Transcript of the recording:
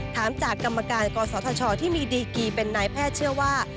ถามจากกรรมการกศธชที่มีดีกีเป็นนายแพทย์เชื่อว่า